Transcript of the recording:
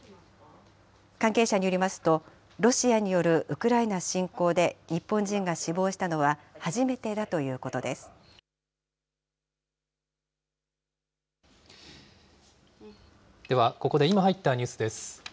関係者によりますと、ロシアによるウクライナ侵攻で日本人が死亡したのは初めてだといでは、ここで今入ったニュースです。